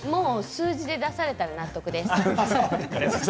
数字で出されたら納得です。